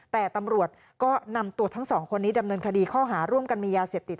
แต่ตำรวจก็นำตัวทั้งสองคนนี้ดำเนินคดีข้อหาร่วมกันมียาเสพติด